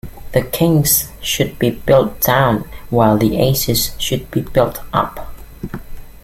The kings should be built down while the aces should be built up.